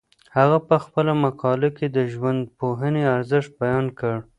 هغه په خپله مقاله کي د ژوندپوهنې ارزښت بیان کړ.